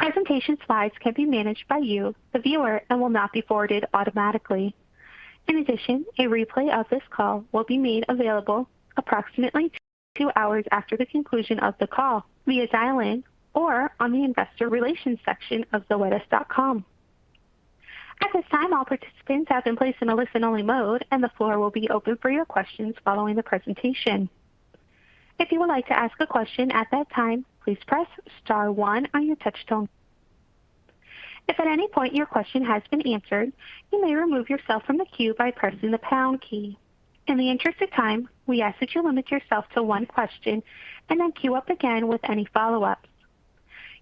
The presentation slides can be managed by you, the viewer, and will not be forwarded automatically. In addition, a replay of this call will be made available approximately two hours after the conclusion of the call via dial-in or on the investor relations section of zoetis.com. At this time, all participants have been placed in a listen-only mode, and the floor will be open for your questions following the presentation. If you would like to ask a question at that time, please press star one on your touchtone. If at any point your question has been answered, you may remove yourself from the queue by pressing the pound key. In the interest of time, we ask that you limit yourself to one question and then queue up again with any follow-ups.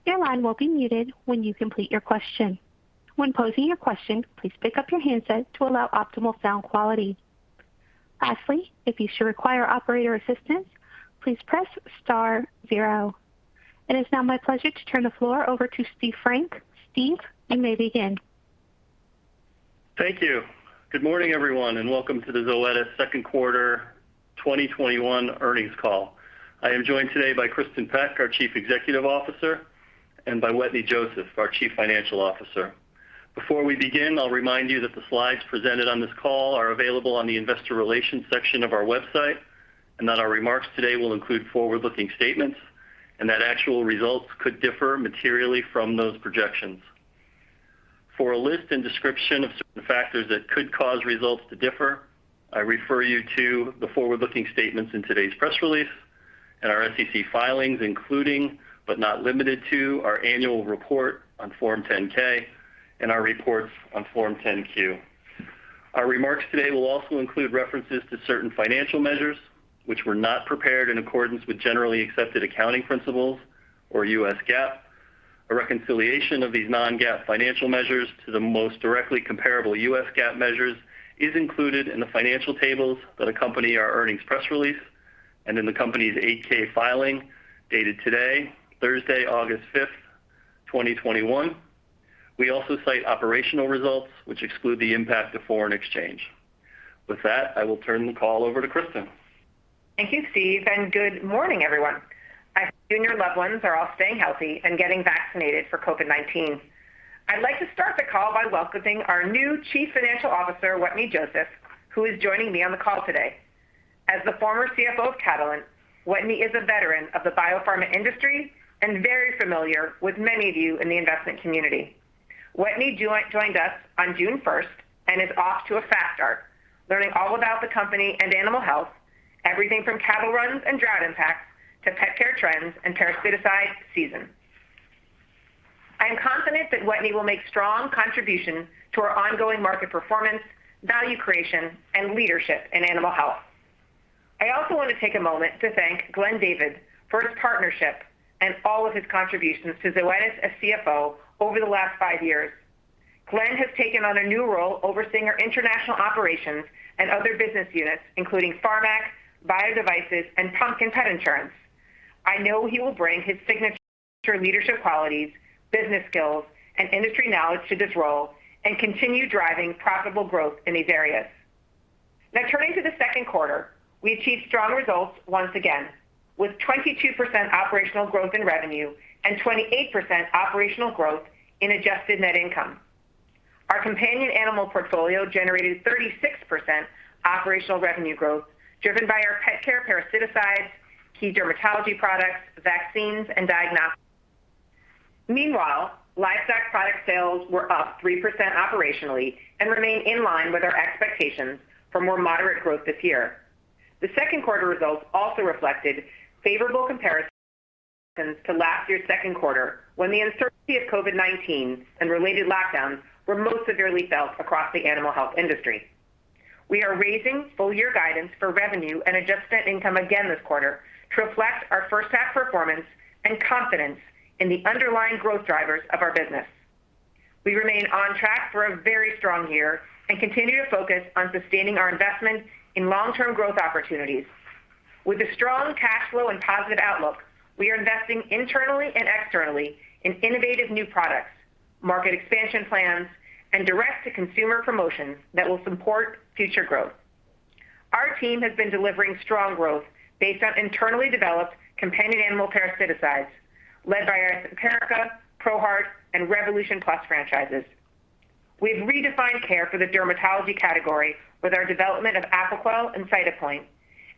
Your line will be muted when you complete your question. When posing your question, please pick up your handset to allow optimal sound quality. Lastly, if you should require operator assistance, please press star zero. It is now my pleasure to turn the floor over to Steve Frank. Steve, you may begin. Thank you. Good morning, everyone, and welcome to the Zoetis Second Quarter 2021 Earnings Call. I am joined today by Kristin Peck, our Chief Executive Officer, and by Wetteny Joseph, our Chief Financial Officer. Before we begin, I'll remind you that the slides presented on this call are available on the investor relations section of our website, and that our remarks today will include forward-looking statements and that actual results could differ materially from those projections. For a list and description of certain factors that could cause results to differ, I refer you to the forward-looking statements in today's press release and our SEC filings, including, but not limited to, our annual report on Form 10-K and our reports on Form 10-Q. Our remarks today will also include references to certain financial measures which were not prepared in accordance with generally accepted accounting principles or U.S. GAAP. A reconciliation of these non-GAAP financial measures to the most directly comparable U.S. GAAP measures is included in the financial tables that accompany our earnings press release and in the company's 8-K filing dated today, Thursday, August 5th, 2021. We also cite operational results which exclude the impact of foreign exchange. With that, I will turn the call over to Kristin. Thank you, Steve, and good morning, everyone. I hope you and your loved ones are all staying healthy and getting vaccinated for COVID-19. I'd like to start the call by welcoming our new Chief Financial Officer, Wetteny Joseph, who is joining me on the call today. As the former CFO of Catalent, Wetteny is a veteran of the biopharma industry and very familiar with many of you in the investment community. Wetteny joined us on June 1st and is off to a fast start, learning all about the company and animal health, everything from cattle runs and drought impacts to pet care trends and parasiticide season. I am confident that Wetteny will make strong contributions to our ongoing market performance, value creation, and leadership in animal health. I also want to take a moment to thank Glenn David for his partnership and all of his contributions to Zoetis as CFO over the last five years. Glenn has taken on a new role overseeing our international operations and other business units, including PHARMAQ, Biodevices, and Pumpkin Pet Insurance. I know he will bring his signature leadership qualities, business skills, and industry knowledge to this role and continue driving profitable growth in these areas. Turning to the second quarter, we achieved strong results once again, with 22% operational growth in revenue and 28% operational growth in adjusted net income. Our companion animal portfolio generated 36% operational revenue growth driven by our pet care parasiticides, key dermatology products, vaccines, and diagnostics. Meanwhile, livestock product sales were up 3% operationally and remain in line with our expectations for more moderate growth this year. The second quarter results also reflected favorable comparisons to last year's second quarter, when the uncertainty of COVID-19 and related lockdowns were most severely felt across the animal health industry. We are raising full-year guidance for revenue and adjusted net income again this quarter to reflect our first-half performance and confidence in the underlying growth drivers of our business. We remain on track for a very strong year and continue to focus on sustaining our investment in long-term growth opportunities. With a strong cash flow and positive outlook, we are investing internally and externally in innovative new products, market expansion plans, and direct-to-consumer promotions that will support future growth. Our team has been delivering strong growth based on internally developed companion animal parasiticides, led by our Simparica, ProHeart, and Revolution Plus franchises. We've redefined care for the dermatology category with our development of Apoquel and Cytopoint,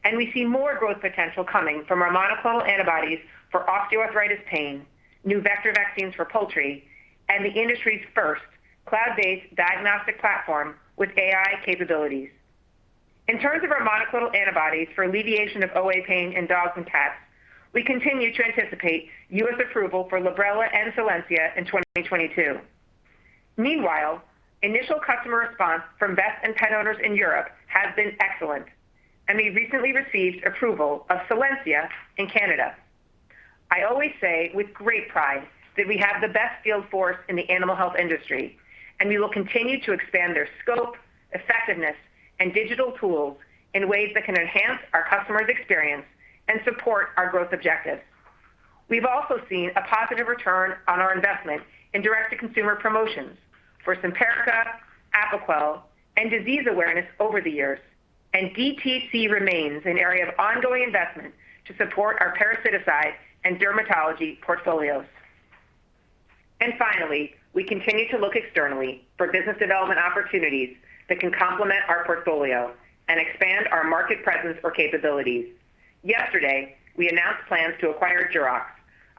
and we see more growth potential coming from our monoclonal antibodies for osteoarthritis pain, new vector vaccines for poultry, and the industry's first cloud-based diagnostic platform with AI capabilities. In terms of our monoclonal antibodies for alleviation of OA pain in dogs and cats, we continue to anticipate U.S. approval for Librela and Solensia in 2022. Meanwhile, initial customer response from vet and pet owners in Europe has been excellent, and we recently received approval of Solensia in Canada. I always say with great pride that we have the best field force in the animal health industry and we will continue to expand their scope, effectiveness, and digital tools in ways that can enhance our customers' experience and support our growth objectives. We've also seen a positive return on our investment in direct-to-consumer promotions for Simparica and Apoquel and disease awareness over the years, and DTC remains an area of ongoing investment to support our parasiticides and dermatology portfolios. Finally, we continue to look externally for business development opportunities that can complement our portfolio and expand our market presence or capabilities. Yesterday, we announced plans to acquire Jurox,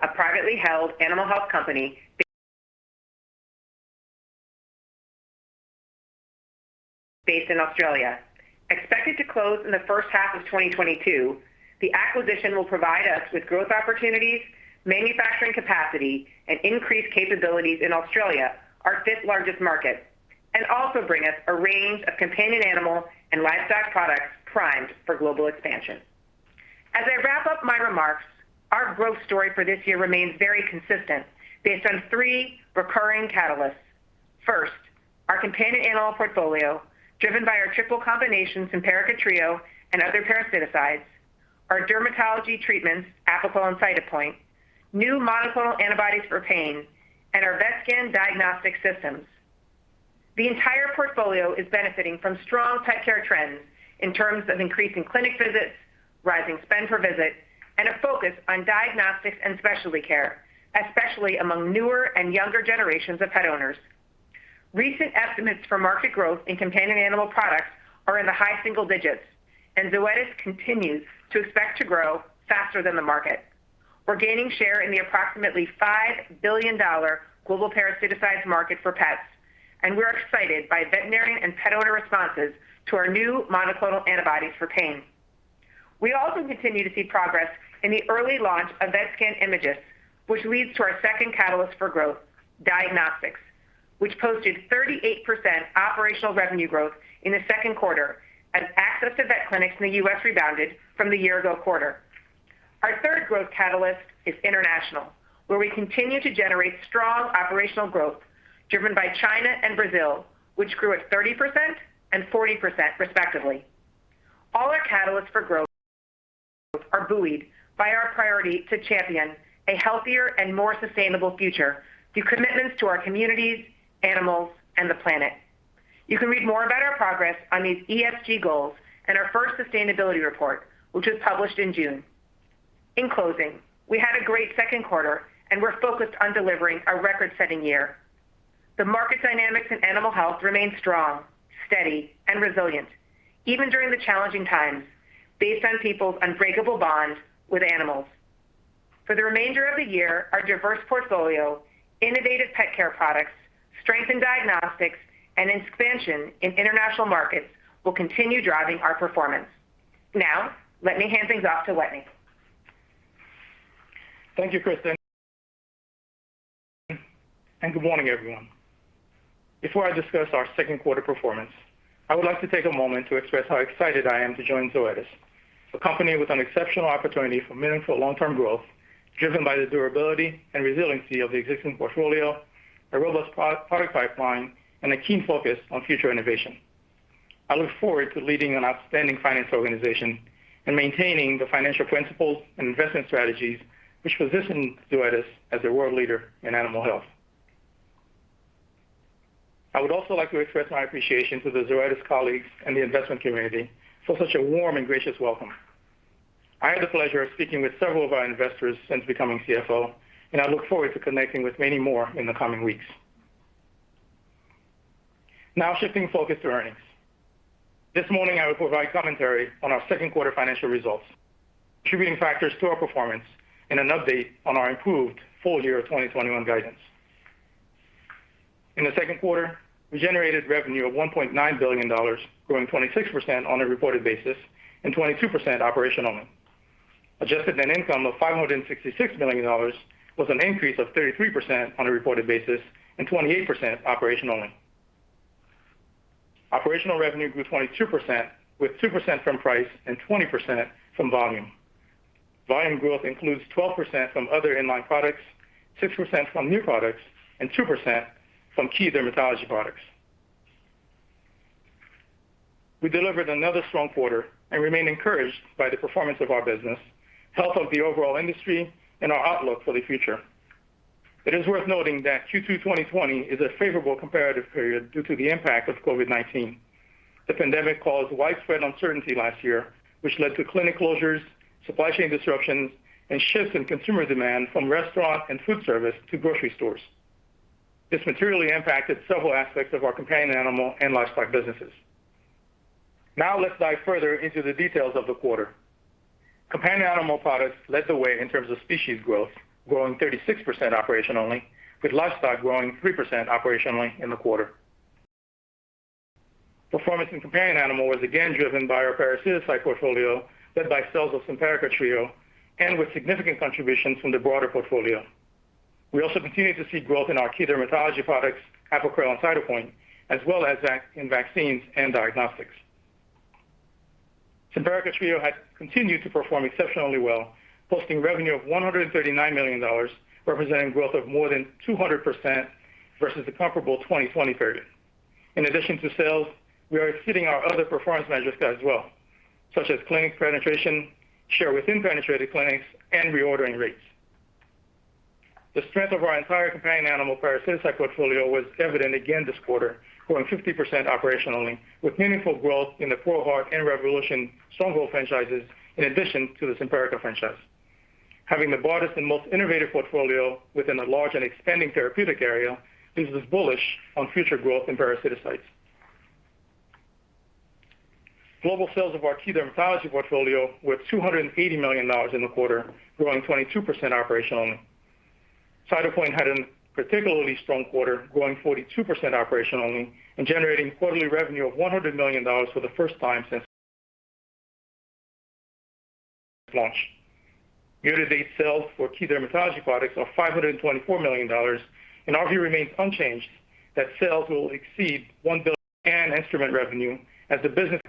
a privately held animal health company based in Australia. Expected to close in the first half of 2022, the acquisition will provide us with growth opportunities, manufacturing capacity, and increased capabilities in Australia, our fifth-largest market, and also bring us a range of companion animal and livestock products primed for global expansion. As I wrap up my remarks, our growth story for this year remains very consistent based on three recurring catalysts. Our companion animal portfolio driven by our triple combination, Simparica Trio and other parasiticides, our dermatology treatments, Apoquel and Cytopoint, new monoclonal antibodies for pain, and our Vetscan diagnostic systems. The entire portfolio is benefiting from strong pet care trends in terms of increasing clinic visits, rising spend per visit, and a focus on diagnostics and specialty care, especially among newer and younger generations of pet owners. Recent estimates for market growth in companion animal products are in the high single digits, and Zoetis continues to expect to grow faster than the market. We're gaining share in the approximately $5 billion global parasiticides market for pets, and we're excited by veterinarian and pet owner responses to our new monoclonal antibodies for pain. We also continue to see progress in the early launch of Vetscan Imagyst, which leads to our second catalyst for growth, diagnostics, which posted 38% operational revenue growth in the second quarter as access to vet clinics in the U.S. rebounded from the year-ago quarter. Our third growth catalyst is international, where we continue to generate strong operational growth driven by China and Brazil, which grew at 30% and 40% respectively. All our catalysts for growth are buoyed by our priority to champion a healthier and more sustainable future through commitments to our communities, animals, and the planet. You can read more about our progress on these ESG goals in our first sustainability report, which was published in June. In closing, we had a great second quarter and we're focused on delivering a record-setting year. The market dynamics in animal health remain strong, steady, and resilient even during the challenging times based on people's unbreakable bond with animals. For the remainder of the year, our diverse portfolio, innovative pet care products, strengthened diagnostics, and expansion in international markets will continue driving our performance. Now, let me hand things off to Wetteny. Thank you, Kristin, and good morning, everyone. Before I discuss our second quarter performance, I would like to take a moment to express how excited I am to join Zoetis, a company with an exceptional opportunity for meaningful long-term growth driven by the durability and resiliency of the existing portfolio, a robust product pipeline, and a keen focus on future innovation. I look forward to leading an outstanding finance organization and maintaining the financial principles and investment strategies which position Zoetis as a world leader in animal health. I would also like to express my appreciation to the Zoetis colleagues and the investment community for such a warm and gracious welcome. I had the pleasure of speaking with several of our investors since becoming CFO, and I look forward to connecting with many more in the coming weeks. Shifting focus to earnings. This morning, I will provide commentary on our second quarter financial results, contributing factors to our performance, and an update on our improved full-year 2021 guidance. In the second quarter, we generated revenue of $1.9 billion, growing 26% on a reported basis and 22% operationally. Adjusted net income of $566 million was an increase of 33% on a reported basis and 28% operationally. Operational revenue grew 22%, with 2% from price and 20% from volume. Volume growth includes 12% from other in-line products, 6% from new products, and 2% from key dermatology products. We delivered another strong quarter and remain encouraged by the performance of our business, health of the overall industry, and our outlook for the future. It is worth noting that Q2 2020 is a favorable comparative period due to the impact of COVID-19. The pandemic caused widespread uncertainty last year, which led to clinic closures, supply chain disruptions, and shifts in consumer demand from restaurant and food service to grocery stores. This materially impacted several aspects of our companion animal and livestock businesses. Let's dive further into the details of the quarter. Companion animal products led the way in terms of species growth, growing 36% operationally, with livestock growing 3% operationally in the quarter. Performance in companion animal was again driven by our parasiticides portfolio led by sales of Simparica Trio and with significant contributions from the broader portfolio. We also continue to see growth in our key dermatology products, Apoquel and Cytopoint, as well as in vaccines and diagnostics. Simparica Trio has continued to perform exceptionally well, posting revenue of $139 million, representing growth of more than 200% versus the comparable 2020 period. In addition to sales, we are exceeding our other performance measures as well, such as clinic penetration, share within penetrated clinics, and reordering rates. The strength of our entire companion animal parasiticide portfolio was evident again this quarter, growing 50% operationally, with meaningful growth in the ProHeart and Revolution Stronghold franchises, in addition to the Simparica franchise. Having the broadest and most innovative portfolio within a large and expanding therapeutic area leaves us bullish on future growth in parasiticides. Global sales of our key dermatology portfolio were $280 million in the quarter, growing 22% operationally. Cytopoint had a particularly strong quarter, growing 42% operationally and generating quarterly revenue of $100 million for the first time since launch. Year-to-date sales for key dermatology products are $524 million, and our view remains unchanged that sales will exceed $1 billion and instrument revenue as the business.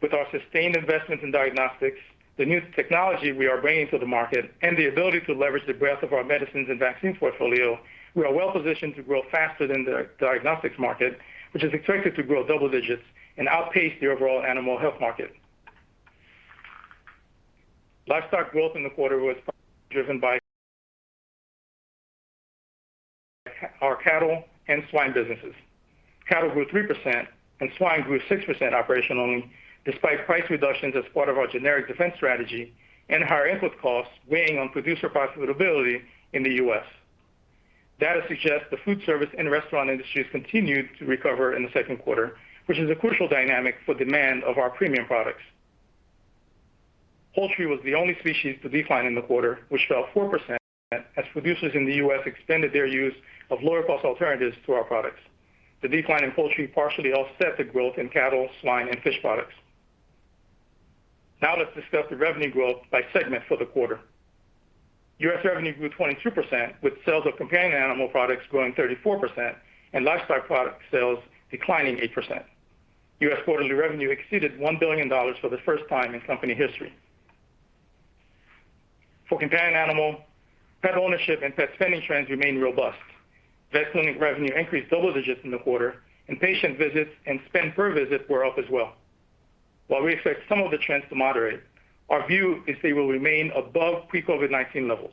With our sustained investments in diagnostics, the new technology we are bringing to the market, and the ability to leverage the breadth of our medicines and vaccine portfolio, we are well positioned to grow faster than the diagnostics market, which is expected to grow double digits and outpace the overall animal health market. Livestock growth in the quarter was driven by our cattle and swine businesses. Cattle grew 3% and swine grew 6% operationally, despite price reductions as part of our generic defense strategy and higher input costs weighing on producer profitability in the U.S.. Data suggests the food service and restaurant industries continued to recover in the second quarter, which is a crucial dynamic for demand of our premium products. Poultry was the only species to decline in the quarter, which fell 4% as producers in the U.S. extended their use of lower-cost alternatives to our products. The decline in poultry partially offset the growth in cattle, swine, and fish products. Let's discuss the revenue growth by segment for the quarter. U.S. revenue grew 22%, with sales of companion animal products growing 34% and livestock product sales declining 8%. U.S. quarterly revenue exceeded $1 billion for the first time in company history. For companion animal, pet ownership and pet spending trends remain robust. Vet clinic revenue increased double digits in the quarter, and patient visits and spend per visit were up as well. While we expect some of the trends to moderate, our view is they will remain above pre-COVID-19 levels.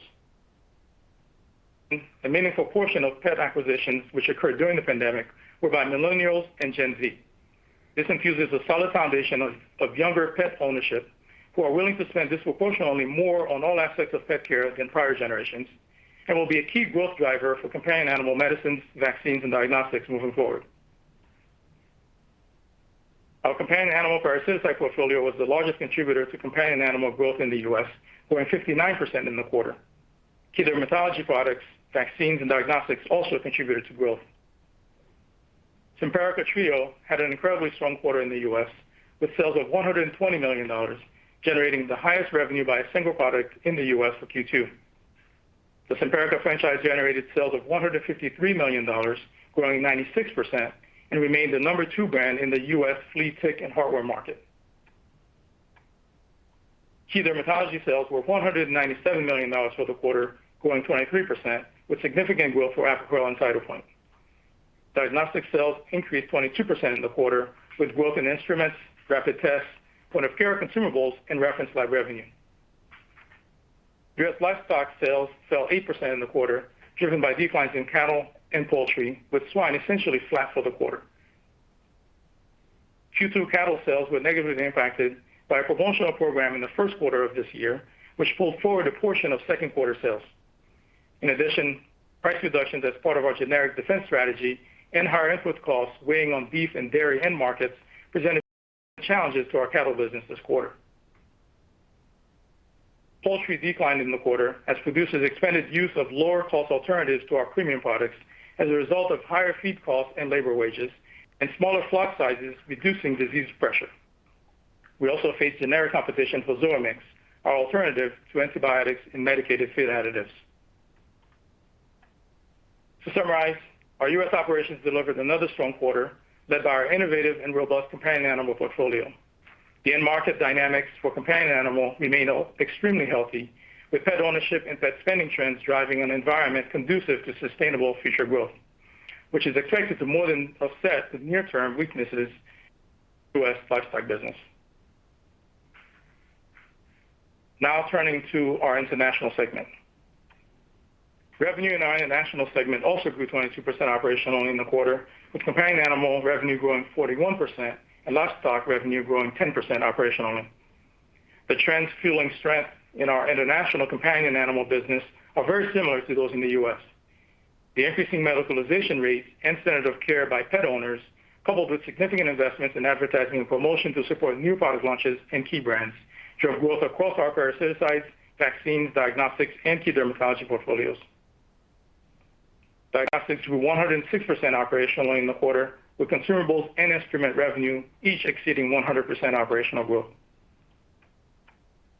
A meaningful portion of pet acquisitions which occurred during the pandemic were by millennials and Gen Z. This infuses a solid foundation of younger pet ownership who are willing to spend disproportionally more on all aspects of pet care than prior generations and will be a key growth driver for companion animal medicines, vaccines, and diagnostics moving forward. Our companion animal parasiticide portfolio was the largest contributor to companion animal growth in the U.S., growing 59% in the quarter. Key dermatology products, vaccines, and diagnostics also contributed to growth. Simparica Trio had an incredibly strong quarter in the U.S., with sales of $120 million, generating the highest revenue by a single product in the U.S. for Q2. The Simparica franchise generated sales of $153 million, growing 96%, and remained the number two brand in the U.S. flea, tick, and heartworm market. Key dermatology sales were $197 million for the quarter, growing 23%, with significant growth for Apoquel and Cytopoint. Diagnostic sales increased 22% in the quarter, with growth in instruments, rapid tests, point-of-care consumables, and reference lab revenue. U.S. livestock sales fell 8% in the quarter, driven by declines in cattle and poultry, with swine essentially flat for the quarter. Q2 cattle sales were negatively impacted by a promotional program in the first quarter of this year, which pulled forward a portion of second quarter sales. In addition, price reductions as part of our generic defense strategy and higher input costs weighing on beef and dairy end markets presented challenges to our cattle business this quarter. Poultry declined in the quarter as producers expanded use of lower-cost alternatives to our premium products as a result of higher feed costs and labor wages and smaller flock sizes reducing disease pressure. We also faced generic competition for Zoamix, our alternative to antibiotics and medicated feed additives. To summarize, our U.S. operations delivered another strong quarter led by our innovative and robust companion animal portfolio. The end market dynamics for companion animal remain extremely healthy with pet ownership and pet spending trends driving an environment conducive to sustainable future growth, which is expected to more than offset the near-term weaknesses U.S. livestock business. Turning to our international segment. Revenue in our international segment also grew 22% operationally in the quarter, with companion animal revenue growing 41% and livestock revenue growing 10% operationally. The trends fueling strength in our international companion animal business are very similar to those in the U.S. The increasing medicalization rates and standard of care by pet owners, coupled with significant investments in advertising and promotion to support new product launches and key brands, drove growth across our parasiticides, vaccines, diagnostics, and key dermatology portfolios. Diagnostics grew 106% operationally in the quarter, with consumables and instrument revenue each exceeding 100% operational growth.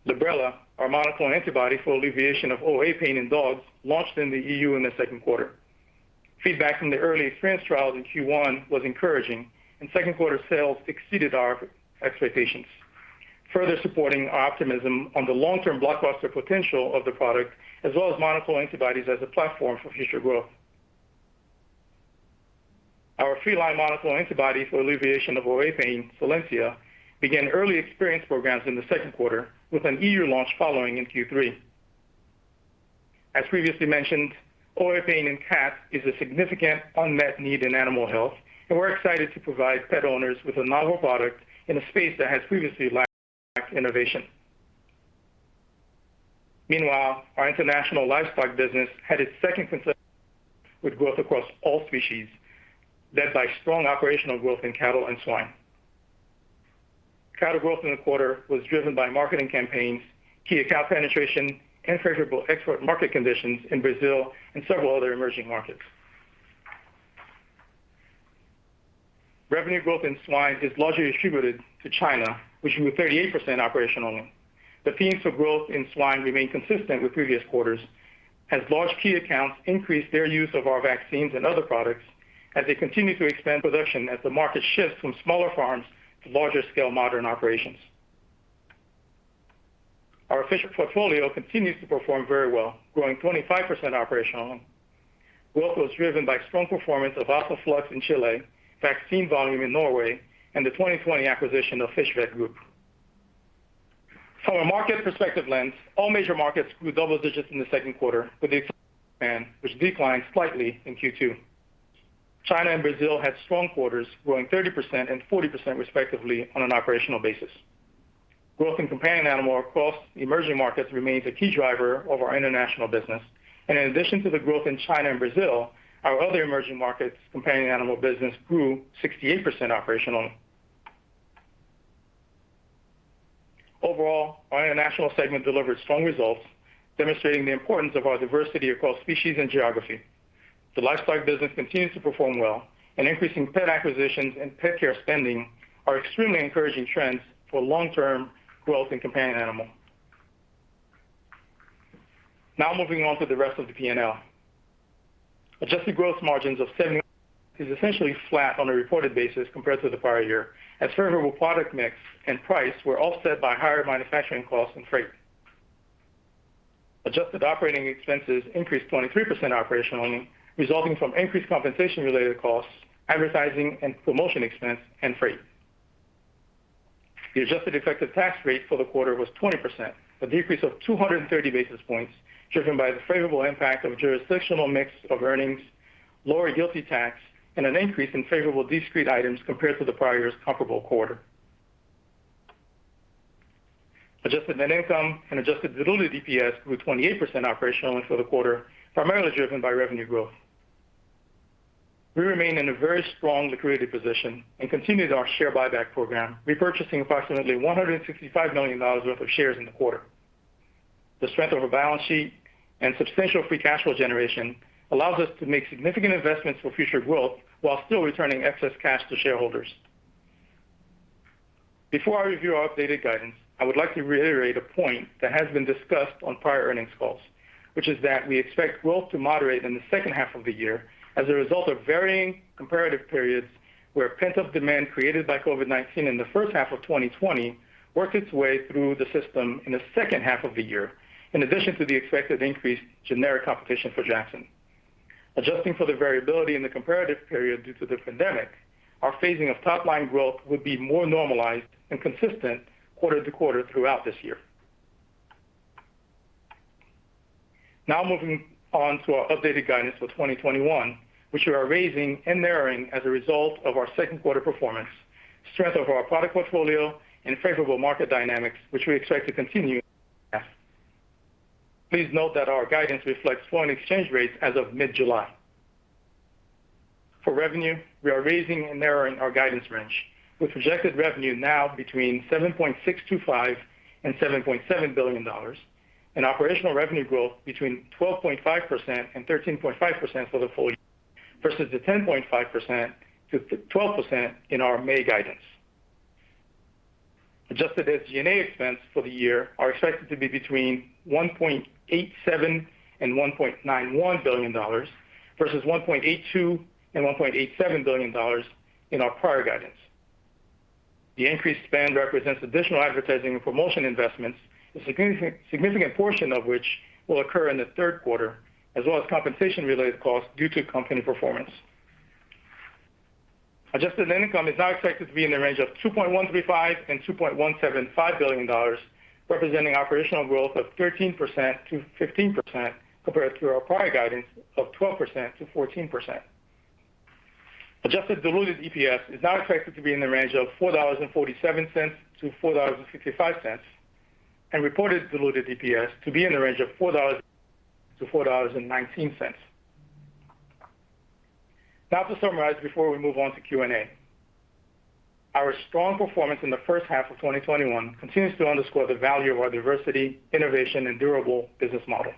Librela, our monoclonal antibody for alleviation of OA pain in dogs, launched in the EU in the second quarter. Feedback from the early France trials in Q1 was encouraging, and second quarter sales exceeded our expectations, further supporting our optimism on the long-term blockbuster potential of the product as well as monoclonal antibodies as a platform for future growth. Our feline monoclonal antibody for alleviation of ear pain, Solensia, began early experience programs in the second quarter with an EU launch following in Q3. As previously mentioned, OA pain in cats is a significant unmet need in animal health, and we're excited to provide pet owners with a novel product in a space that has previously lacked innovation. Meanwhile, our international livestock business had its second consecutive with growth across all species, led by strong operational growth in cattle and swine. Cattle growth in the quarter was driven by marketing campaigns, key account penetration, and favorable export market conditions in Brazil and several other emerging markets. Revenue growth in swine is largely attributed to China, which grew 38% operationally. The themes of growth in swine remain consistent with previous quarters, as large key accounts increase their use of our vaccines and other products as they continue to expand production as the market shifts from smaller farms to larger scale modern operations. Our aquaculture portfolio continues to perform very well, growing 25% operationally. Growth was driven by strong performance of ALPHA FLUX in Chile, vaccine volume in Norway, and the 2020 acquisition of Fish Vet Group. From a market perspective lens, all major markets grew double digits in the second quarter with the expand, which declined slightly in Q2. China and Brazil had strong quarters, growing 30% and 40% respectively on an operational basis. Growth in companion animal across emerging markets remains a key driver of our international business. In addition to the growth in China and Brazil, our other emerging markets companion animal business grew 68% operationally. Overall, our international segment delivered strong results, demonstrating the importance of our diversity across species and geography. The livestock business continues to perform well, and increasing pet acquisitions and pet care spending are extremely encouraging trends for long-term growth in companion animal. Now moving on to the rest of the P&L. Adjusted gross margins of 70 is essentially flat on a reported basis compared to the prior year, as favorable product mix and price were offset by higher manufacturing costs and freight. Adjusted operating expenses increased 23% operationally, resulting from increased compensation-related costs, advertising and promotion expense, and freight. The adjusted effective tax rate for the quarter was 20%, a decrease of 230 basis points driven by the favorable impact of jurisdictional mix of earnings, lower GILTI tax, and an increase in favorable discrete items compared to the prior year's comparable quarter. Adjusted net income and adjusted diluted EPS grew 28% operationally for the quarter, primarily driven by revenue growth. We remain in a very strong liquidity position and continued our share buyback program, repurchasing approximately $155 million worth of shares in the quarter. The strength of our balance sheet and substantial free cash flow generation allows us to make significant investments for future growth while still returning excess cash to shareholders. Before I review our updated guidance, I would like to reiterate a point that has been discussed on prior earnings calls, which is that we expect growth to moderate in the second half of the year as a result of varying comparative periods where pent-up demand created by COVID-19 in the first half of 2020 worked its way through the system in the second half of the year, in addition to the expected increased generic competition for JAXEN. Adjusting for the variability in the comparative period due to the pandemic, our phasing of top line growth would be more normalized and consistent quarter-to-quarter throughout this year. Now moving on to our updated guidance for 2021, which we are raising and narrowing as a result of our second quarter performance, strength of our product portfolio, and favorable market dynamics, which we expect to continue. Please note that our guidance reflects foreign exchange rates as of mid-July. For revenue, we are raising and narrowing our guidance range, with projected revenue now between $7.625 billion and $7.7 billion, and operational revenue growth between 12.5% and 13.5% for the full year, versus the 10.5%-12% in our May guidance. Adjusted SG&A expense for the year are expected to be between $1.87 billion and $1.91 billion, versus $1.82 billion and $1.87 billion in our prior guidance. The increased spend represents additional advertising and promotion investments, a significant portion of which will occur in the third quarter, as well as compensation-related costs due to company performance. Adjusted net income is now expected to be in the range of $2.135 billion-$2.175 billion, representing operational growth of 13%-15% compared to our prior guidance of 12%-14%. Adjusted diluted EPS is now expected to be in the range of $4.47-$4.65, and reported diluted EPS to be in the range of $4-$4.19. Now to summarize before we move on to Q&A. Our strong performance in the first half of 2021 continues to underscore the value of our diversity, innovation, and durable business model.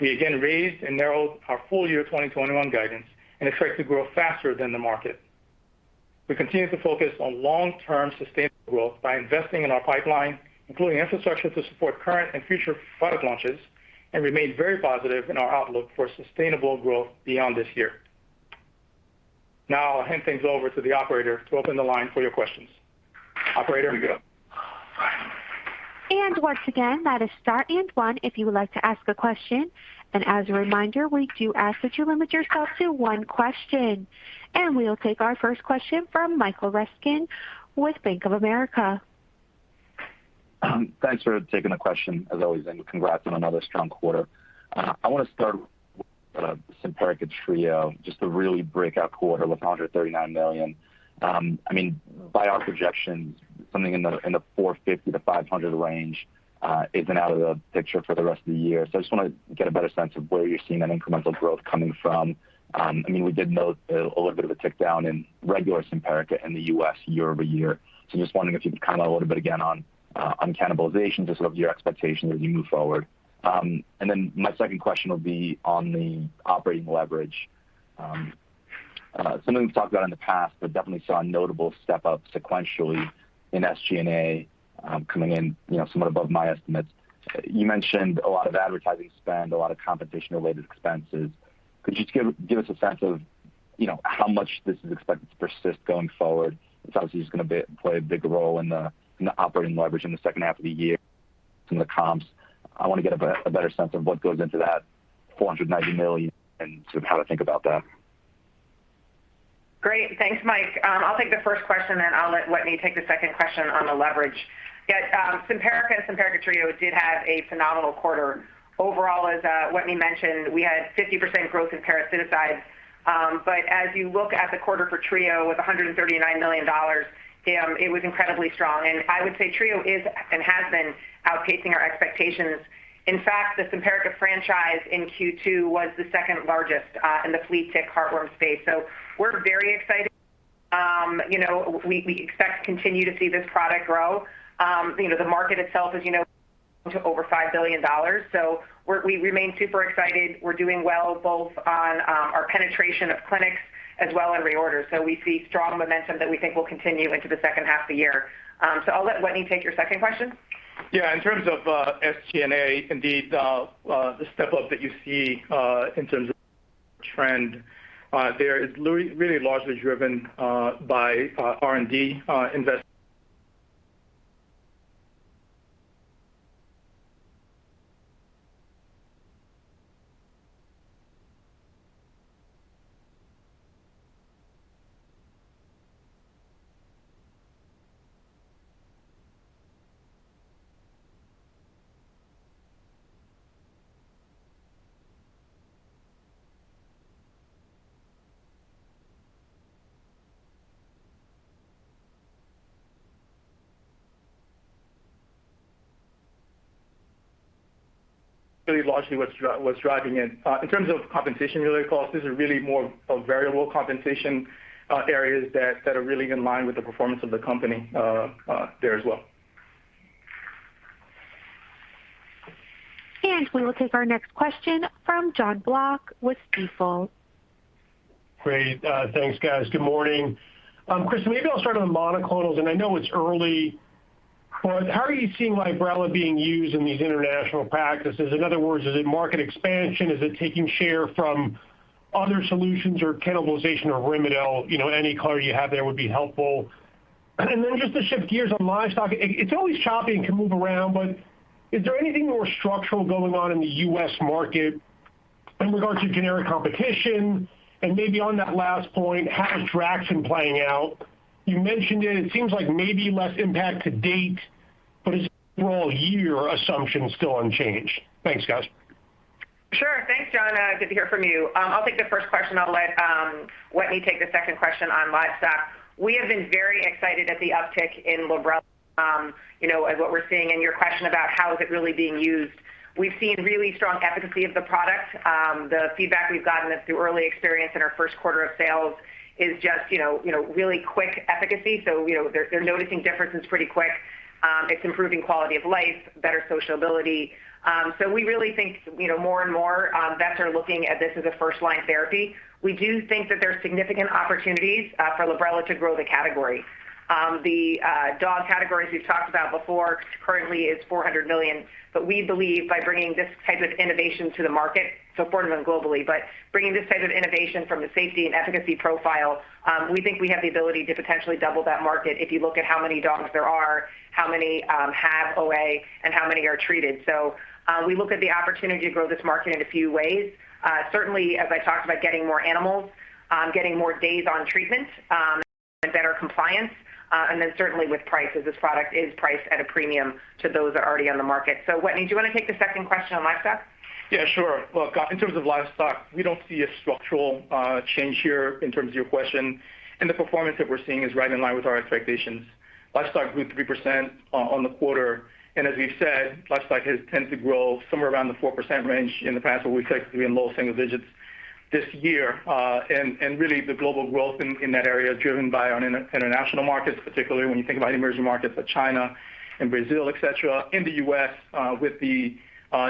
We again raised and narrowed our full year 2021 guidance and expect to grow faster than the market. We continue to focus on long-term sustainable growth by investing in our pipeline, including infrastructure to support current and future product launches, and remain very positive in our outlook for sustainable growth beyond this year. Now I'll hand things over to the operator to open the line for your questions. Operator? Once again, that is star and one if you would like to ask a question. As a reminder, we do ask that you limit yourself to one question. We'll take our first question from Michael Ryskin with Bank of America. Thanks for taking the question as always, and congrats on another strong quarter. I want to start with Simparica Trio, just a really breakout quarter with $139 million. By our projections, something in the $450-$500 range is out of the picture for the rest of the year. I just want to get a better sense of where you're seeing that incremental growth coming from. We did note a little bit of a tick down in regular Simparica in the U.S. year-over-year. I'm just wondering if you could comment a little bit again on cannibalization, just of your expectations as we move forward. My second question would be on the operating leverage. Something we've talked about in the past, but definitely saw a notable step-up sequentially in SG&A, coming in somewhat above my estimates. You mentioned a lot of advertising spend, a lot of competition-related expenses. Could you just give us a sense of how much this is expected to persist going forward? It's obviously just going to play a big role in the operating leverage in the second half of the year from the comps. I want to get a better sense of what goes into that $490 million and how to think about that. Great. Thanks, Mike. I'll take the first question, then I'll let Wetteny take the second question on the leverage. Yeah, Simparica and Simparica Trio did have a phenomenal quarter. Overall, as Wetteny mentioned, we had 50% growth in parasiticides. As you look at the quarter for Trio with $139 million, it was incredibly strong. I would say Trio is and has been outpacing our expectations. In fact, the Simparica franchise in Q2 was the second largest in the flea tick heartworm space. We're very excited. We expect to continue to see this product grow. The market itself is over $5 billion. We remain super excited. We're doing well both on our penetration of clinics as well as reorders. We see strong momentum that we think will continue into the second half of the year. I'll let Wetteny take your second question. Yeah, in terms of SG&A, indeed, the step-up that you see in terms of trend there is really largely driven by R&D. Really largely what's driving it. In terms of compensation-related costs, these are really more variable compensation areas that are really in line with the performance of the company there as well. We will take our next question from Jonathan Block with Stifel. Great. Thanks, guys. Good morning. Kris, maybe I'll start on monoclonals. I know it's early, but how are you seeing Librela being used in these international practices? In other words, is it market expansion? Is it taking share from other solutions or cannibalization of Rimadyl? Any color you have there would be helpful. Then just to shift gears on livestock, it's always choppy and can move around, but is there anything more structural going on in the U.S. market in regards to generic competition? Maybe on that last point, how is Draxxin playing out? You mentioned it seems like maybe less impact to date, but is the overall year assumption still unchanged? Thanks, guys. Sure. Thanks, John. Good to hear from you. I'll take the first question, I'll let Wetteny take the second question on livestock. We have been very excited at the uptick in Librela and what we're seeing, and your question about how is it really being used. We've seen really strong efficacy of the product. The feedback we've gotten through early experience in our first quarter of sales is just really quick efficacy. They're noticing differences pretty quick. It's improving quality of life, better sociability. We really think more and more vets are looking at this as a first-line therapy. We do think that there's significant opportunities for Librela to grow the category. The dog categories we've talked about before currently is $400 million. We believe by bringing this type of innovation to the market, part of it globally, bringing this type of innovation from the safety and efficacy profile, we think we have the ability to potentially double that market if you look at how many dogs there are, how many have OA, and how many are treated. We look at the opportunity to grow this market in a few ways. Certainly, as I talked about getting more animals, getting more days on treatment and better compliance, certainly with prices. This product is priced at a premium to those that are already on the market. Wetteny, do you want to take the second question on livestock? Yeah, sure. Look, in terms of livestock, we don't see a structural change here in terms of your question. The performance that we're seeing is right in line with our expectations. Livestock grew 3% on the quarter, and as we've said, livestock has tended to grow somewhere around the 4% range in the past, but we expect to be in low single digits this year. Really the global growth in that area is driven by our international markets, particularly when you think about emerging markets like China and Brazil, et cetera. In the U.S., with the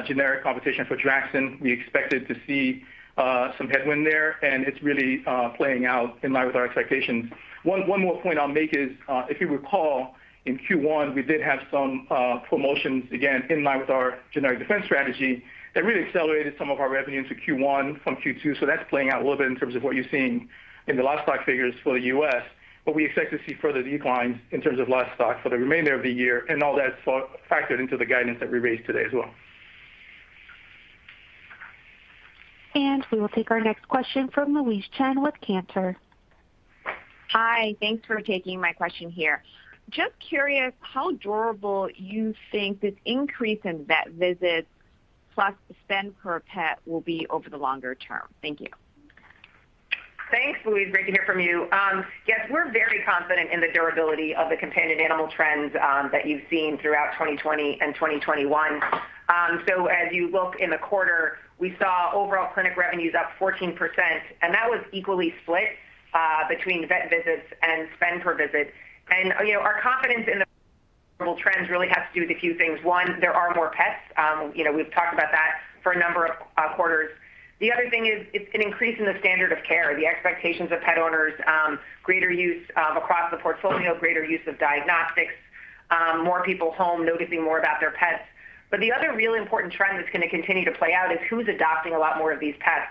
generic competition for Draxxin, we expected to see some headwind there, and it's really playing out in line with our expectations. One more point I'll make is, if you recall, in Q1, we did have some promotions, again, in line with our generic defense strategy, that really accelerated some of our revenue into Q1 from Q2. That's playing out a little bit in terms of what you're seeing in the livestock figures for the U.S. We expect to see further declines in terms of livestock for the remainder of the year, and all that's factored into the guidance that we raised today as well. We will take our next question from Louise Chen with Cantor. Hi. Thanks for taking my question here. Just curious how durable you think this increase in vet visits, plus the spend per pet will be over the longer term. Thank you. Thanks, Louise. Great to hear from you. Yes, we're very confident in the durability of the companion animal trends that you've seen throughout 2020 and 2021. As you look in the quarter, we saw overall clinic revenues up 14%, and that was equally split between vet visits and spend per visit. Our confidence in the trends really has to do with a few things. One, there are more pets. We've talked about that for a number of quarters. The other thing is, it's an increase in the standard of care, the expectations of pet owners, greater use across the portfolio, greater use of diagnostics, more people home noticing more about their pets. The other real important trend that's going to continue to play out is who's adopting a lot more of these pets.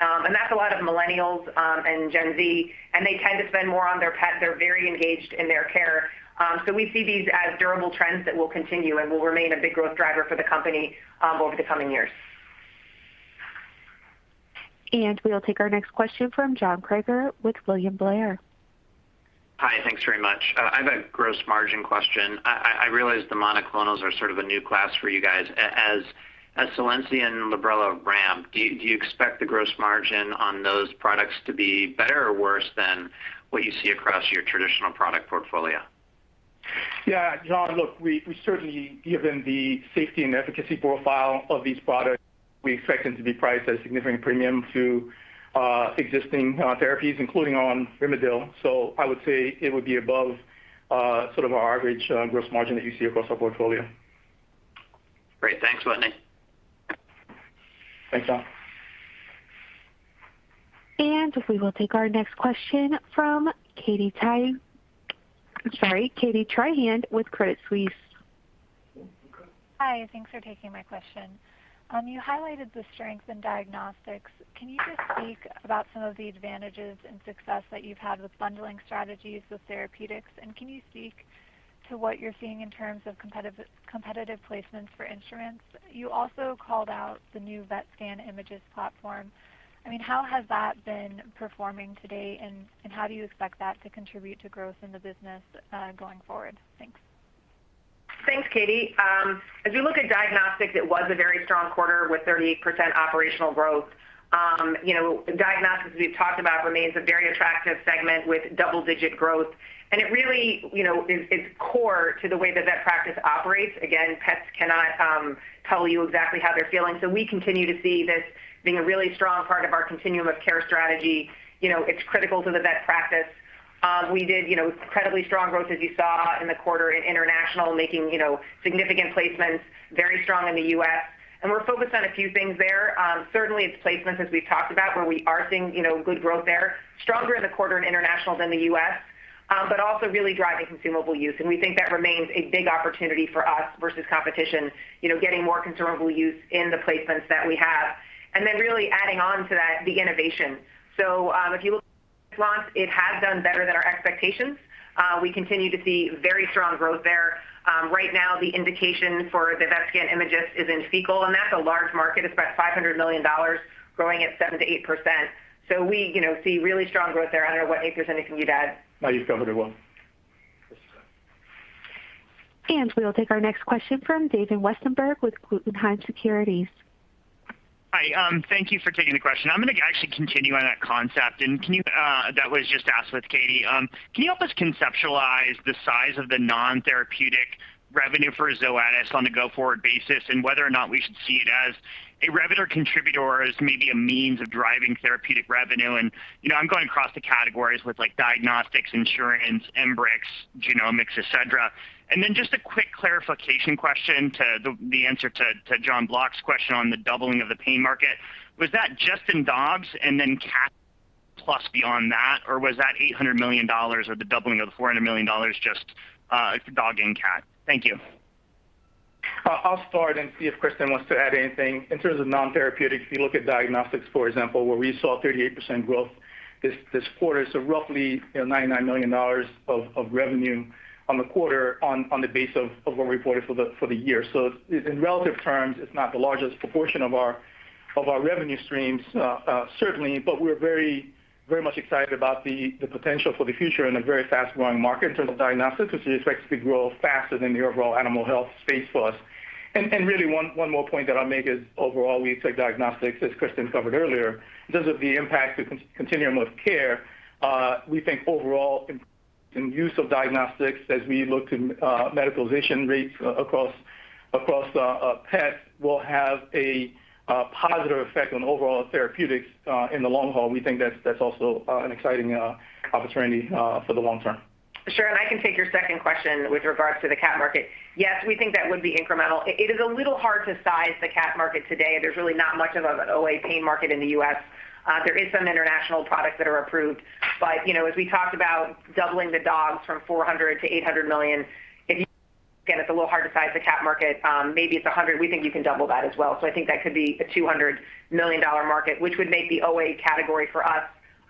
That's a lot of Millennials, and Gen Z, and they tend to spend more on their pets. They're very engaged in their care. We see these as durable trends that will continue and will remain a big growth driver for the company over the coming years. We will take our next question from John Kreger with William Blair. Hi. Thanks very much. I have a gross margin question. I realize the monoclonals are sort of a new class for you guys. As Solensia and Librela ramp, do you expect the gross margin on those products to be better or worse than what you see across your traditional product portfolio? Yeah, John, look, we certainly, given the safety and efficacy profile of these products, we expect them to be priced at a significant premium to existing therapies, including on Rimadyl. I would say it would be above our average gross margin that you see across our portfolio. Great. Thanks, Wetteny. Thanks, John. We will take our next question from Katie Tryhane with Credit Suisse. Hi. Thanks for taking my question. You highlighted the strength in diagnostics. Can you just speak about some of the advantages and success that you've had with bundling strategies with therapeutics, and can you speak to what you're seeing in terms of competitive placements for insurance? You also called out the new Vetscan Imagyst platform. How has that been performing to date, and how do you expect that to contribute to growth in the business going forward? Thanks. Thanks, Katie. As we look at diagnostics, it was a very strong quarter with 38% operational growth. Diagnostics, as we've talked about, remains a very attractive segment with double-digit growth. It really is core to the way the vet practice operates. Again, pets cannot tell you exactly how they're feeling. We continue to see this being a really strong part of our continuum of care strategy. It's critical to the vet practice. We did incredibly strong growth, as you saw in the quarter in international, making significant placements, very strong in the U.S. We're focused on a few things there. Certainly it's placements as we've talked about, where we are seeing good growth there. Stronger in the quarter in international than the U.S., also really driving consumable use, we think that remains a big opportunity for us versus competition, getting more consumable use in the placements that we have. Then really adding on to that, the innovation. If you look at the launch, it has done better than our expectations. We continue to see very strong growth there. Right now, the indication for the Vetscan Imagyst is in fecal, that's a large market. It's about $500 million, growing at 7%-8%. We see really strong growth there. I don't know what, if there's anything you'd add. No, you've covered it well. We will take our next question from David Westenberg with Guggenheim Securities. Hi, thank you for taking the question. I'm going to actually continue on that concept. That was just asked with Katie. Can you help us conceptualize the size of the non-therapeutic revenue for Zoetis on a go-forward basis, and whether or not we should see it as a revenue contributor or as maybe a means of driving therapeutic revenue? I'm going across the categories with diagnostics, insurance, Embrex, genomics, et cetera. Just a quick clarification question to the answer to John Block's question on the doubling of the pain market. Was that just in dogs and then cat plus beyond that? Or was that $800 million or the doubling of the $400 million just dog and cat? Thank you. I'll start and see if Kristin wants to add anything. In terms of non-therapeutic, if you look at diagnostics, for example, where we saw 38% growth this quarter, so roughly $99 million of revenue on the quarter on the base of what we reported for the year. In relative terms, it's not the largest proportion of our revenue streams, certainly, but we're very much excited about the potential for the future in a very fast-growing market in terms of diagnostics, which is expected to grow faster than the overall animal health space for us. Really one more point that I'll make is overall, we take diagnostics, as Kristin covered earlier. In terms of the impact to continuum of care, we think overall in use of diagnostics as we look to medicalization rates across pets will have a positive effect on overall therapeutics, in the long haul. We think that's also an exciting opportunity for the long term. Sure. I can take your second question with regards to the cat market. Yes, we think that would be incremental. It is a little hard to size the cat market today. There's really not much of an OA pain market in the U.S.. There is some international products that are approved, but as we talked about doubling the dogs from $400 million to $800 million. Again, it's a little hard to size the cat market. Maybe it's $100. We think you can double that as well. I think that could be a $200 million market, which would make the OA category for us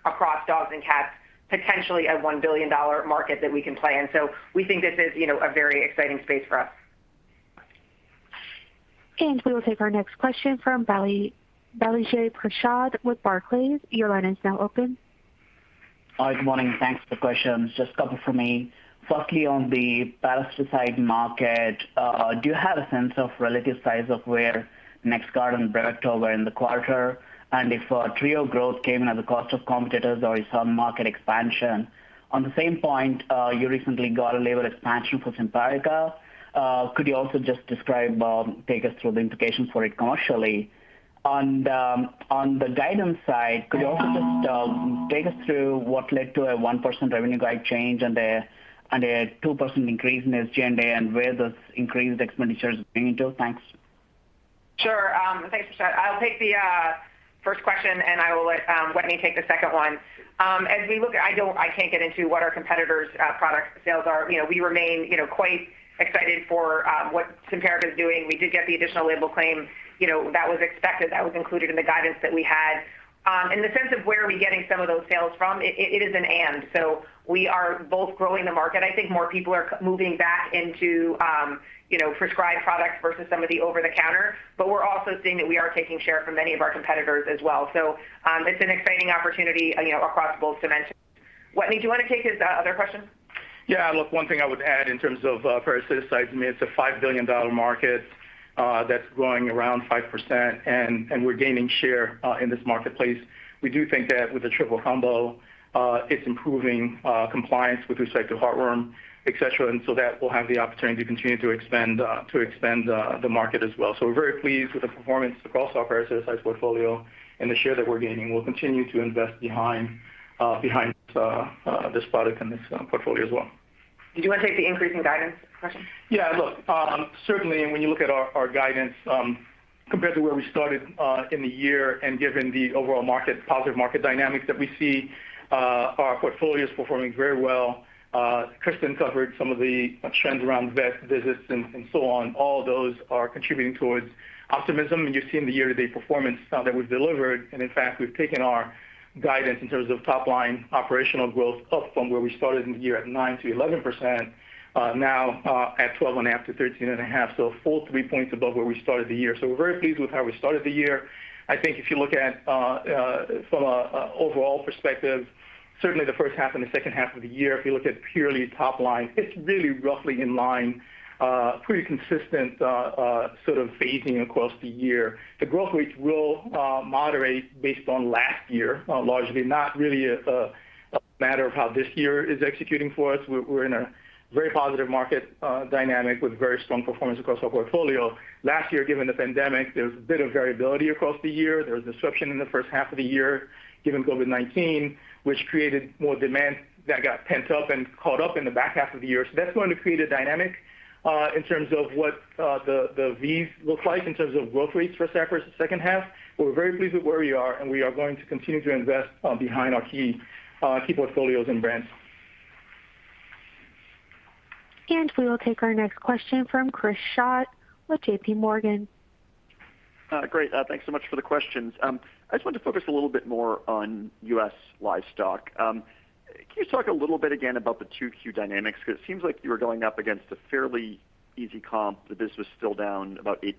across dogs and cats, potentially a $1 billion market that we can play in. We think this is a very exciting space for us. We will take our next question from Balaji Prasad with Barclays. Your line is now open. Hi, good morning. Thanks for the questions. Just a couple from me. Firstly, on the parasitic market, do you have a sense of relative size of where NexGard and Bravecto were in the quarter? If trio growth came in at the cost of competitors or you saw market expansion. On the same point, you recently got a label expansion for Simparica. Could you also just describe, take us through the implications for it commercially? On the guidance side, could you also just take us through what led to a 1% revenue guide change and a 2% increase in SG&A, and where those increased expenditures are being made? Thanks. Sure. Thanks, Prasad. I'll take the first question. I will let Wetteny take the second one. I can't get into what our competitors' product sales are. We remain quite excited for what Simparica is doing. We did get the additional label claim. That was expected. That was included in the guidance that we had. In the sense of where are we getting some of those sales from, it is an and. We are both growing the market. I think more people are moving back into prescribed products versus some of the over-the-counter. We're also seeing that we are taking share from many of our competitors as well. It's an exciting opportunity across both dimensions. Wetteny, do you want to take his other question? Yeah, look, one thing I would add in terms of parasiticides, I mean, it's a $5 billion market that's growing around 5%. We're gaining share in this marketplace. We do think that with the triple combo, it's improving compliance with respect to heartworm, et cetera, that will have the opportunity to continue to expand the market as well. We're very pleased with the performance across our parasiticides portfolio and the share that we're gaining. We'll continue to invest behind this product and this portfolio as well. Do you want to take the increase in guidance question? Yeah, look, certainly when you look at our guidance, compared to where we started in the year and given the overall positive market dynamics that we see, our portfolio is performing very well. Kristin covered some of the trends around vet visits and so on. All those are contributing towards optimism, and you've seen the year-to-date performance that we've delivered. In fact, we've taken our guidance in terms of top-line operational growth up from where we started in the year at 9%-11%, now at 12.5%-13.5%, a full three points above where we started the year. We're very pleased with how we started the year. I think if you look at from an overall perspective, certainly the first half and the second half of the year, if you look at purely top-line, it's really roughly in line, pretty consistent sort of phasing across the year. The growth rates will moderate based on last year, largely. Not really a matter of how this year is executing for us. We're in a very positive market dynamic with very strong performance across our portfolio. Last year, given the pandemic, there was a bit of variability across the year. There was disruption in the first half of the year given COVID-19, which created more demand that got pent up and caught up in the back half of the year. That's going to create a dynamic in terms of what the Vs look like in terms of growth rates for us after the second half. We're very pleased with where we are, and we are going to continue to invest behind our key portfolios and brands. We will take our next question from Chris Schott with JPMorgan. Great. Thanks so much for the questions. I just wanted to focus a little bit more on U.S. livestock. Can you talk a little bit again about the 2Q dynamics? It seems like you were going up against a fairly easy comp. The business was still down about 8%.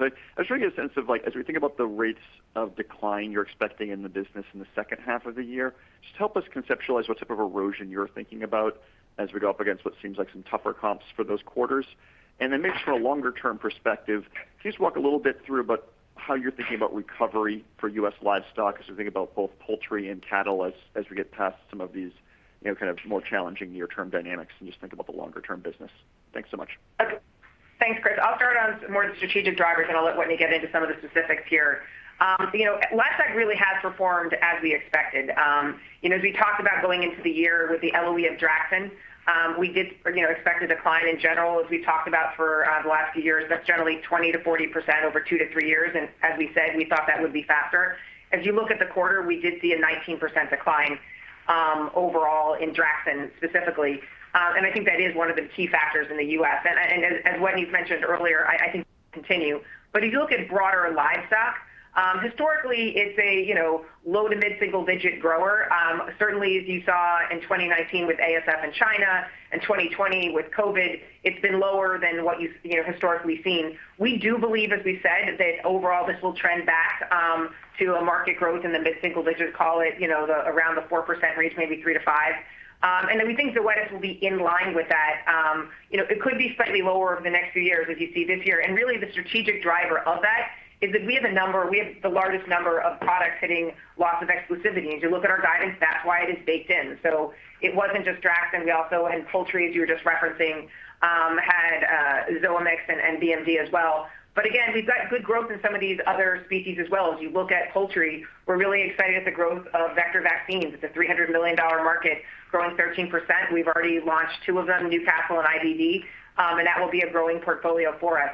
I'll show you a sense of, as we think about the rates of decline you're expecting in the business in the second half of the year, just help us conceptualize what type of erosion you're thinking about as we go up against what seems like some tougher comps for those quarters. Then maybe from a longer-term perspective, can you just walk a little bit through about how you're thinking about recovery for U.S. livestock as we think about both poultry and cattle as we get past some of these kind of more challenging near-term dynamics and just think about the longer-term business? Thanks so much. Thanks, Chris. I'll start on more of the strategic drivers, and I'll let Wetteny get into some of the specifics here. Livestock really has performed as we expected. As we talked about going into the year with the LOE of Draxxin, we did expect a decline in general as we've talked about for the last few years. That's generally 20%-40% over two to three years, and as we said, we thought that would be faster. As you look at the quarter, we did see a 19% decline overall in Draxxin specifically. I think that is one of the key factors in the U.S.. As Wetteny's mentioned earlier, I think it will continue. If you look at broader livestock, historically it's a low to mid-single digit grower. Certainly as you saw in 2019 with ASF in China and 2020 with COVID-19, it's been lower than what you've historically seen. We do believe, as we've said, that overall this will trend back to a market growth in the mid-single digits, call it around the 4% range, maybe 3%-5%. We think the LOEs will be in line with that. It could be slightly lower over the next few years as you see this year. Really the strategic driver of that is that we have the largest number of products hitting loss of exclusivity. If you look at our guidance, that’s what it’s based in. It wasn't just Draxxin. We also, in poultry, as you were just referencing, had Zoamix and BMD as well. Again, we've got good growth in some of these other species as well. As you look at poultry, we're really excited at the growth of vector vaccines. It's a $300 million market growing 13%. We've already launched two of them, Newcastle and IBD. That will be a growing portfolio for us.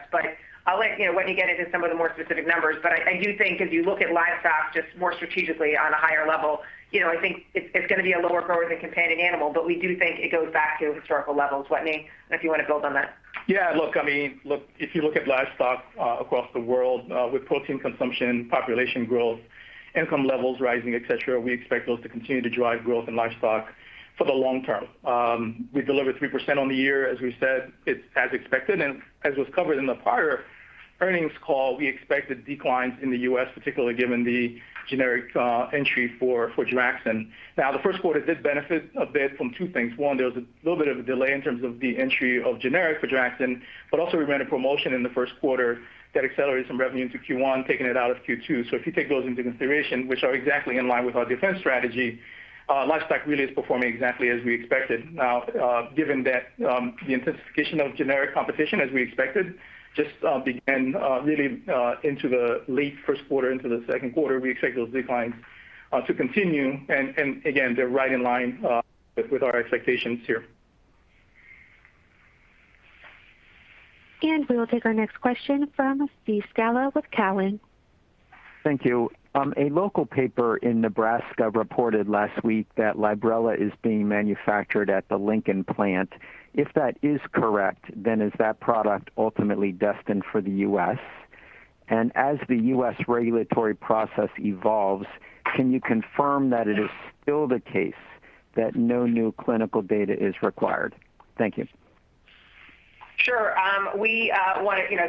I'll let Wetteny get into some of the more specific numbers. I do think as you look at livestock just more strategically on a higher level, I think it's going to be a lower grower than companion animal, but we do think it goes back to historical levels. Wetteny, I don't know if you want to build on that. Yeah, look, if you look at livestock across the world, with protein consumption, population growth, income levels rising, et cetera, we expect those to continue to drive growth in livestock for the long term. We delivered 3% on the year, as we said, it's as expected. As was covered in the prior earnings call, we expected declines in the U.S. particularly given the generic entry for Draxxin. The first quarter did benefit a bit from two things. One, there was a little bit of a delay in terms of the entry of generic for Draxxin, but also we ran a promotion in the first quarter that accelerated some revenue into Q1, taking it out of Q2. If you take those into consideration, which are exactly in line with our defense strategy, livestock really is performing exactly as we expected. Now, given that the intensification of generic competition as we expected just began really into the late first quarter into the second quarter, we expect those declines to continue. Again, they're right in line with our expectations here. We will take our next question from Steve Scala with Cowen. Thank you. A local paper in Nebraska reported last week that Librela is being manufactured at the Lincoln plant. If that is correct, is that product ultimately destined for the U.S.? As the U.S. regulatory process evolves, can you confirm that it is still the case that no new clinical data is required? Thank you. Sure. I think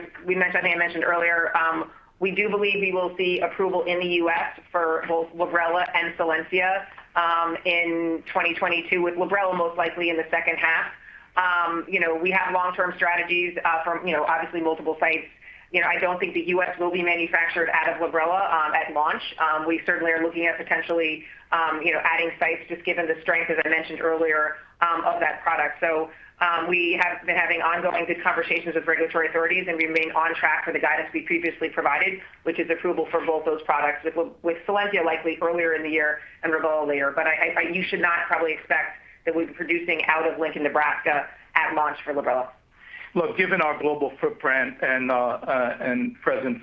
I mentioned earlier, we do believe we will see approval in the U.S. for both Librela and Solensia in 2022 with Librela most likely in the second half. We have long-term strategies from obviously multiple sites. I don't think the U.S. will be manufactured out of Librela at launch. We certainly are looking at potentially adding sites just given the strength, as I mentioned earlier, of that product. We have been having ongoing good conversations with regulatory authorities, and we remain on track for the guidance we previously provided, which is approval for both those products with Solensia likely earlier in the year and Librela later. You should not probably expect that we'll be producing out of Lincoln, Nebraska at launch for Librela. Look, given our global footprint and presence,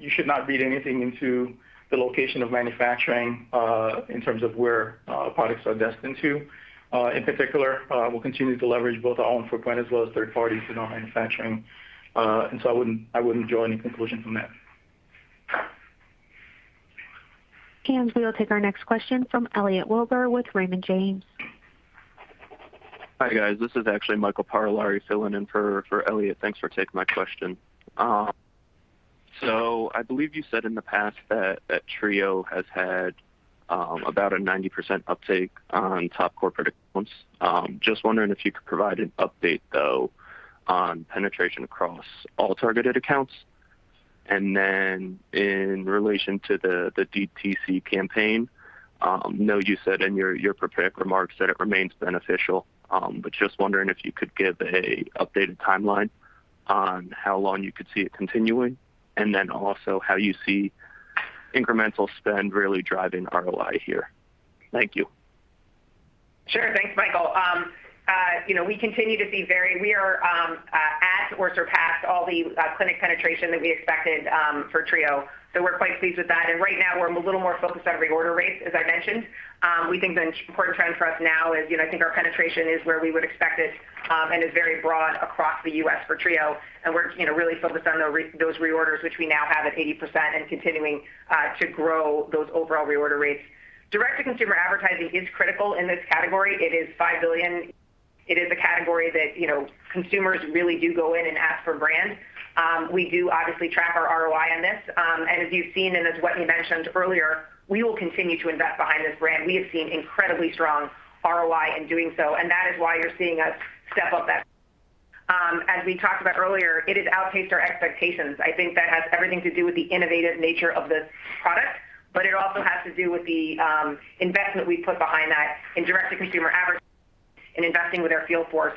you should not read anything into the location of manufacturing, in terms of where products are destined to. In particular, we'll continue to leverage both our own footprint as well as third parties in our manufacturing. I wouldn't draw any conclusion from that. We will take our next question from Elliot Wilbur with Raymond James. Hi, guys. This is actually Michael Parolari filling in for Elliot. Thanks for taking my question. I believe you said in the past that Trio has had about a 90% uptake on top corporate predictions. Just wondering if you could provide an update, though, on penetration across all targeted accounts. In relation to the DTC campaign, I know you said in your prepared remarks that it remains beneficial. Just wondering if you could give an updated timeline on how long you could see it continuing, and also how you see incremental spend really driving ROI here. Thank you. Sure. Thanks, Michael. We are at or surpassed all the clinic penetration that we expected for Trio. We're quite pleased with that. Right now we're a little more focused on reorder rates, as I mentioned. We think the important trend for us now is I think our penetration is where we would expect it, and is very broad across the U.S. for Trio. We're really focused on those reorders, which we now have at 80% and continuing to grow those overall reorder rates. Direct-to-consumer advertising is critical in this category. It is $5 billion. It is a category that consumers really do go in and ask for brands. We do obviously track our ROI on this. As you've seen, and as what we mentioned earlier, we will continue to invest behind this brand. We have seen incredibly strong ROI in doing so, and that is why you're seeing us step up that. As we talked about earlier, it has outpaced our expectations. I think that has everything to do with the innovative nature of this product, but it also has to do with the investment we put behind that in direct-to-consumer advertising and investing with our field force.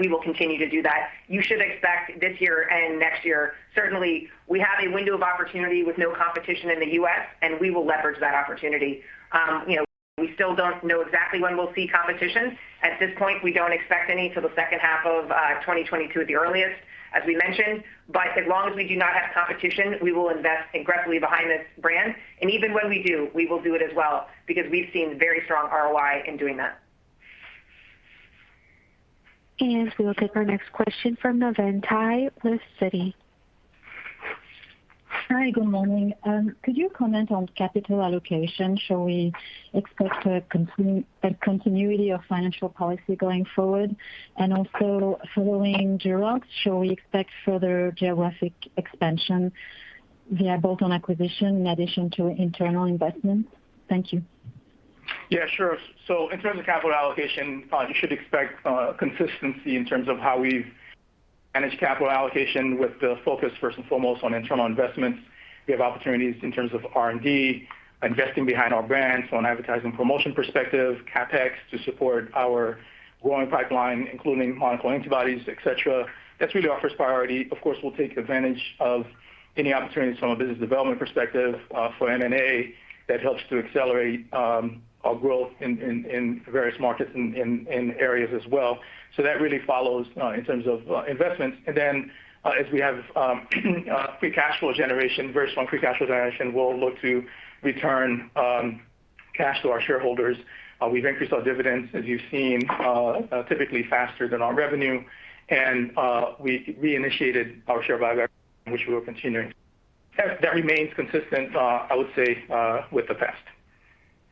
We will continue to do that. You should expect this year and next year, certainly we have a window of opportunity with no competition in the U.S., and we will leverage that opportunity. We still don't know exactly when we'll see competition. At this point, we don't expect any till the second half of 2022 at the earliest, as we mentioned. As long as we do not have competition, we will invest aggressively behind this brand. Even when we do, we will do it as well because we've seen very strong ROI in doing that. We will take our next question from Navann Ty with Citi. Hi. Good morning. Could you comment on capital allocation? Shall we expect a continuity of financial policy going forward? Also following Jurox, shall we expect further geographic expansion via bolt-on acquisition in addition to internal investments? Thank you. Yeah, sure. In terms of capital allocation, you should expect consistency in terms of how we've managed capital allocation with the focus first and foremost on internal investments. We have opportunities in terms of R&D, investing behind our brands on advertising promotion perspective, CapEx to support our growing pipeline, including monoclonal antibodies, et cetera. That's really our first priority. Of course, we'll take advantage of any opportunities from a business development perspective for M&A that helps to accelerate our growth in various markets and areas as well. That really follows in terms of investments. Then as we have free cash flow generation, very strong free cash flow generation, we'll look to return cash to our shareholders. We've increased our dividends, as you've seen, typically faster than our revenue. We initiated our share buyback, which we are continuing. That remains consistent, I would say, with the past.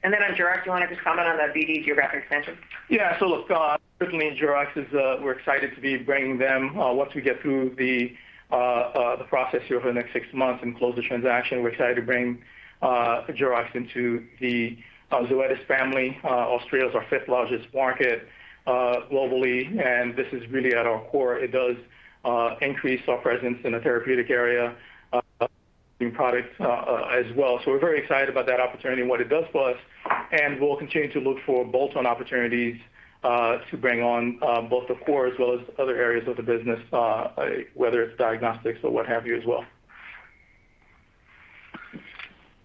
On Jurox, do you want to just comment on the BD geographic expansion? Yeah. Look, certainly Jurox, we're excited to be bringing them once we get through the process here over the next six months and close the transaction. We're excited to bring Jurox into the Zoetis family. Australia is our fifth largest market globally, and this is really at our core. It does increase our presence in the therapeutic area in products as well. We're very excited about that opportunity and what it does for us, and we'll continue to look for bolt-on opportunities to bring on both the core as well as other areas of the business, whether it's diagnostics or what have you as well.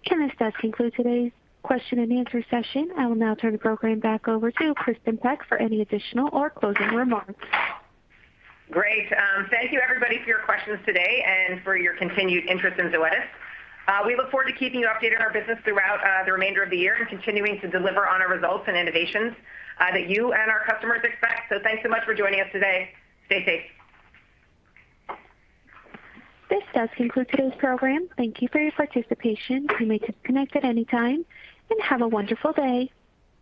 This does conclude today's question and answer session. I will now turn the program back over to Kristin Peck for any additional or closing remarks. Great. Thank you everybody for your questions today and for your continued interest in Zoetis. We look forward to keeping you updated on our business throughout the remainder of the year and continuing to deliver on our results and innovations that you and our customers expect. Thanks so much for joining us today. Stay safe. This does conclude today's program. Thank you for your participation. You may disconnect at any time, and have a wonderful day.